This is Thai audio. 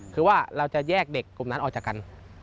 คือว่าเราจะแยกเด็กกลุ่มนั้นออกจากกัน